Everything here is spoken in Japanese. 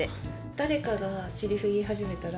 誰かがセリフ言い始めたら。